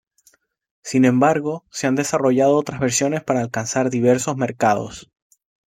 Sin embargo se han desarrollado otras versiones para alcanzar diversos mercados.